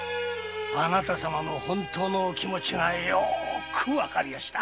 あなた様の本当のお気持ちはよくわかりやした。